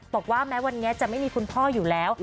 บอกว่าแม้วันนี้จะไม่มีคุณพ่ออยู่แล้ว